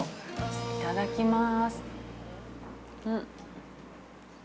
いただきます。